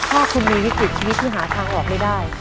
ถ้าคุณมีวิกฤตชีวิตที่หาทางออกไม่ได้